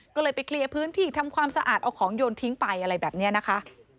ก็เลยไปเคลียร์พื้นที่ทำความสะอาดเอาของโยนทิ้งไปอะไรแบบนี้นะคะ